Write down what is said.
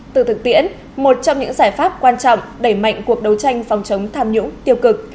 từ thực tiễn một trong những giải pháp quan trọng đẩy mạnh cuộc đấu tranh phòng chống tham nhũng tiêu cực